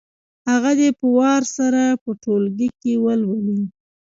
هغه دې په وار سره په ټولګي کې ولولي.